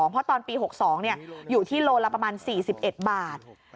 เพราะตอนปี๖๒อยู่ที่โลละประมาณ๔๑บาท